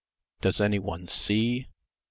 Does anyone see?"